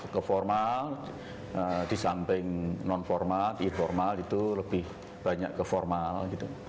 ke formal di samping non formal informal itu lebih banyak ke formal gitu